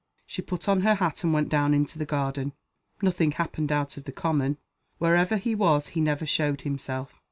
She put on her hat and went down into the garden. Nothing happened out of the common. Wherever he was he never showed himself.